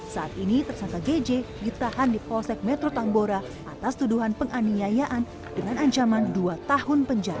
saat ini tersangka gj ditahan di polsek metro tambora atas tuduhan penganiayaan dengan ancaman dua tahun penjara